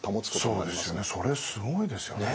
それすごいですよね。